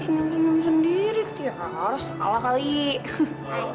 sama aku tuh orang aku liat kok mbak jar juga liat